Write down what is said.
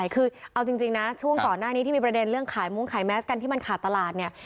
คือเอาจริงนะช่วงก่อนหน้านี้ที่มีประเด็นเรื่องขายมุ้งขายแมสกันที่มันขาดตลาดเนี่ย